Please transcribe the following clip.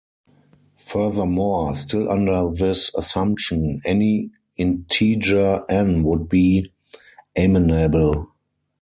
Furthermore, still under this assumption, any integer "n" would be amenable.